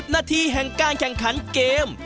นาทีแห่งการแข่งขันเกม